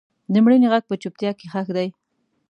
د مړینې غږ په چوپتیا کې ښخ دی.